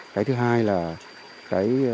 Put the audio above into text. cái thứ hai là